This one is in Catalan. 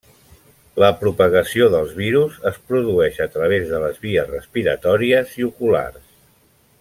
La propagació del virus es produeix a través de les vies respiratòries i oculars.